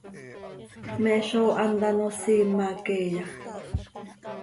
¿Me zó hant ano siima queeya?